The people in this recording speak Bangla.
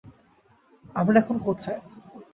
আমরা এখন কোথায়?